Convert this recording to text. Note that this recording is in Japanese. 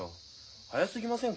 早すぎませんか？